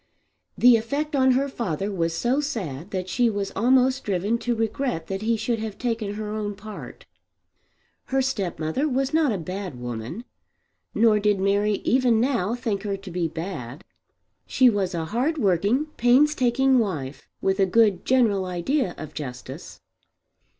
The effect on her father was so sad that she was almost driven to regret that he should have taken her own part. Her stepmother was not a bad woman; nor did Mary even now think her to be bad. She was a hardworking, painstaking wife, with a good general idea of justice.